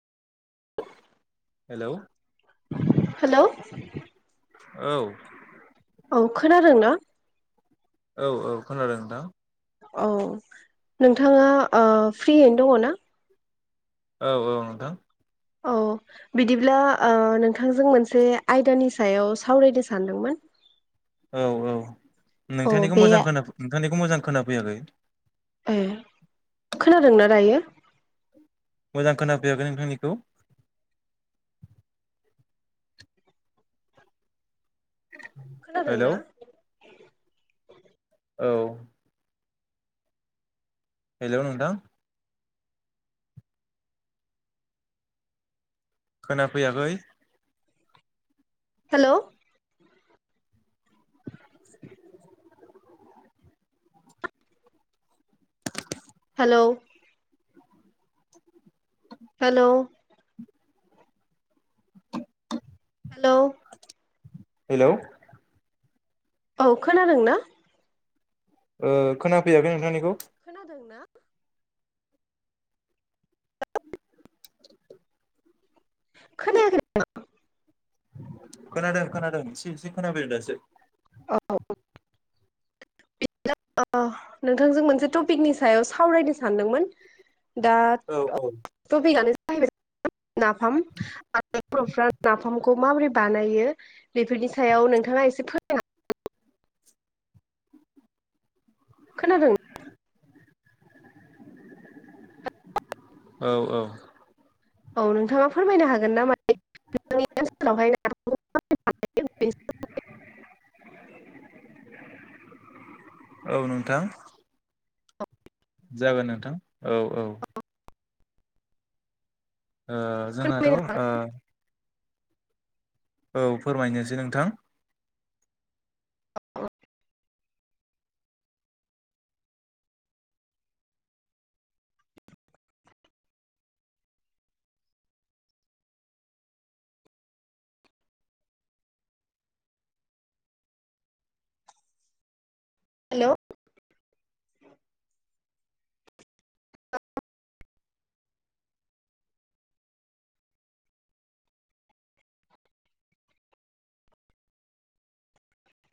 औ। हेल' औ। हेलौ औ खोनादों ना? औ औ खोनादों नोंथां। औ नोंथाङा ओ फ्रियैनो दङ ना? औ-औ नोंथां। औ बिदिब्ला ओ नोंथांजों मोनसे आयदानि सायाव सावरायनो सानदोंमोन औ-औ औ नोंथांनिखौ बे मोजां खोनाफ नोंथांनिखौ मोजां खोनाफैयाखै। ए खोनादोंना दायो मोजां खोनाफैयाखै नोंथांनिखौ खोनादों हेलौ ना? औ हेलौ नोंथां। खोनाफैयाखै hello hello hello hello hello औ खोनादों ना? ओ खोनाफैयाखै नोंथांनिखौ। खोनादों ना? खोनायाखै [inaudible] खोनादों-खोनादों एसे-एसे खोनाफैदों दासो। औ [inaudible] नोंथांजों मोनसे टपिकनि सायाव सावरायनो सानदोंमोन दा औ-औ। टपिकानो जाहैबाय [inaudible] नाफाम। [inaudible] बर'फ्रा नाफामखौ माबोरै बानायो बेफोरनि सायाव नोंथाङा एसे फोरमायना खोनादों औ-औ। औ नोंथाङा फोरमायनो हागोन ना मा [inaudible] ओनसोलावहाय नाफामखौ [inaudible] [inaudible] औ नोंथां। जागोन नोंथां औ-औ। ओ जोंहाथ' फोरमायनो ओ हागोन। औ फोरमायनोसै नोंथां। [inaudible] हेलौ